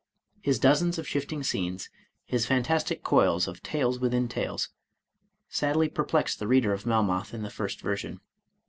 His dozens of shifting scenes, his fantastic coils of ''tales within tales" sadly perplex the reader of "Melmoth" in the first version.